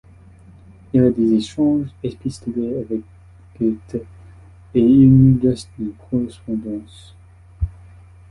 Il a des échanges épistolaires avec Goethe et il nous reste une correspondance.